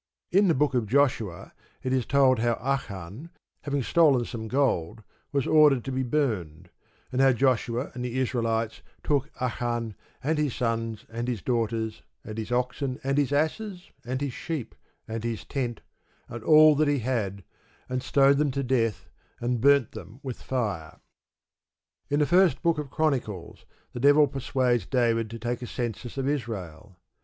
In the Book of Joshua is the story of how Achan, having stolen some gold, was ordered to be burnt; and how Joshua and the Israelites took "Achan, and his sons, and his daughters, and his oxen, and his asses, and his sheep, and his tent, and all that he had," and stoned them to death, and "burnt them with fire." In the First Book of Chronicles the devil persuades David to take a census of Israel.